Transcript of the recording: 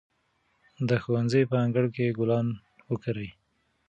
د ښوونځي په انګړ کې ګلان وکرئ.